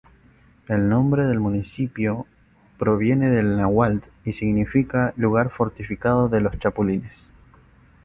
El nombre del municipio proviene del Náhuatl y significa "Lugar fortificado de los Chapulines".